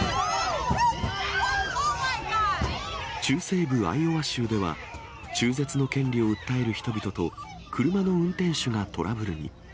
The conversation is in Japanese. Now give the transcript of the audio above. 中西部アイオワ州では、中絶の権利を訴える人々と、車の運転手がトラブルに。